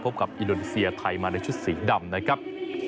กับอินโดนีเซียไทยมาในชุดสีดำนะครับ